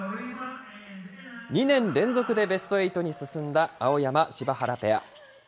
２年連続でベストエイトに進んだ青山・柴原ペア。